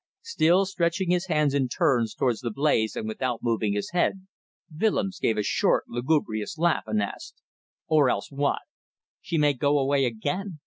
Still stretching his hands in turns towards the blaze and without moving his head, Willems gave a short, lugubrious laugh, and asked "Or else what?" "She may go away again.